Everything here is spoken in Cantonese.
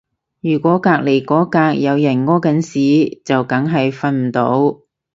如果隔離嗰格有人屙緊屎就梗係瞓唔到